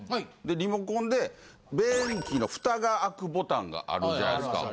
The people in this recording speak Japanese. リモコンで便器の蓋が開くボタンがあるじゃないですか。